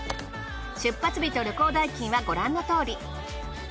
出発日と旅行代金はご覧のとおり。